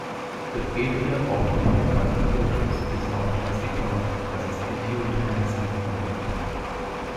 The area occupied by the fortress is now classified as a Scheduled Ancient Monument.